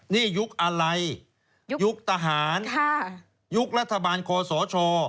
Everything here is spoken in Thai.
นี่ยุคอะไรยุคทหารยุครัฐบาลคอสช